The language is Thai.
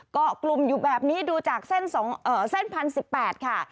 ก็กลุ่มอยู่แบบนี้ดูจากเส้นสองเอ่อเส้นพันสิบแปดค่ะ